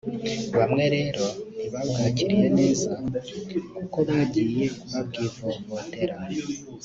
bamwe rero ntibabyakiriye neza kuko bagiye babyivovotera